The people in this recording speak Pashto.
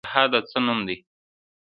جهاد د څه نوم دی؟